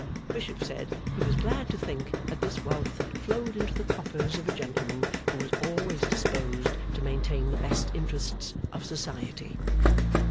Bishop said he was glad to think that this wealth flowed into the coffers of a gentleman who was always disposed to maintain the best interests of Society.